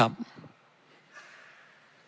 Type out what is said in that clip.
พันธมาชิกพร้อมนะครับ